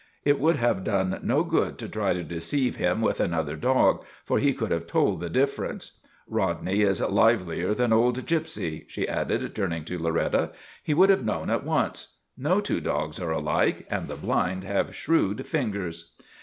It would have done no good to try to deceive him with another dog, for he could have told the difference. Rodney is livelier than old Gypsy," she added, turning to Loretta. 1 He would have known at once. No two dogs are alike and the blind have shrewd fingers."